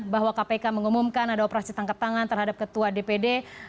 bahwa kpk mengumumkan ada operasi tangkap tangan terhadap ketua dpd